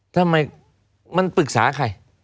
ทำไมมันปรึกษาใคร